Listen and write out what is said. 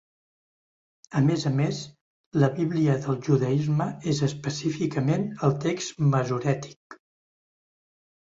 A més a més, la Bíblia del judaisme és específicament el Text Masorètic.